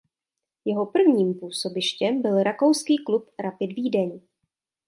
Jeho prvním působištěm byl rakouský klub Rapid Vídeň.